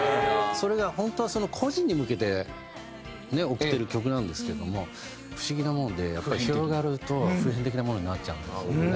それが本当はその個人に向けて贈ってる曲なんですけども不思議なものでやっぱり広がると普遍的なものになっちゃう。